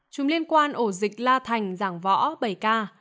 chùm liên quan ổ dịch la thành giảng võ bảy ca